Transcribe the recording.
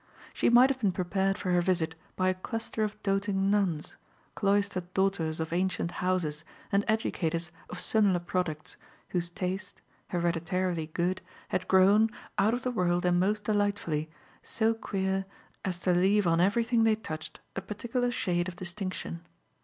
She might have been prepared for her visit by a cluster of doting nuns, cloistered daughters of ancient houses and educators of similar products, whose taste, hereditarily good, had grown, out of the world and most delightfully, so queer as to leave on everything they touched a particular shade of distinction.